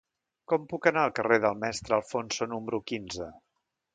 Com puc anar al carrer del Mestre Alfonso número quinze?